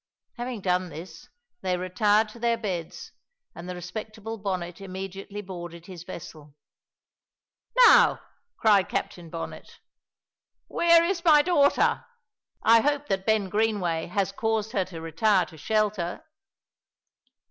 Having done this, they retired to their beds, and the respectable Bonnet immediately boarded his vessel. "Now," cried Captain Bonnet, "where is my daughter? I hope that Ben Greenway has caused her to retire to shelter?"